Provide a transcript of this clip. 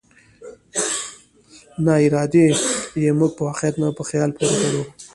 ناارادي يې موږ په واقعيت نه، په خيال پورې تړو.